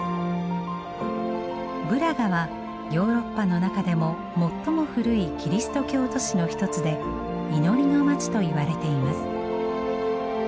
ブラガはヨーロッパの中でも最も古いキリスト教都市の一つで祈りの街と言われています。